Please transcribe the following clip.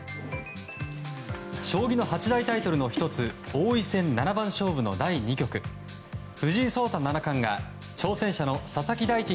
将棋の八大タイトルの１つ王位戦七番勝負の第２局藤井聡太七冠が挑戦者の佐々木大地